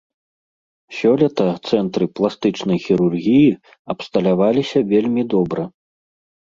Сёлета цэнтры пластычнай хірургіі абсталяваліся вельмі добра.